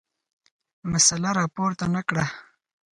مسله راپورته نه کړه.